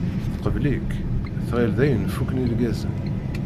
Teqbel-ik, tɣill dayen fukken irgazen.